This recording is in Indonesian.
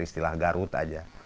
istilah garut aja